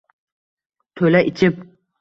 To’la ichib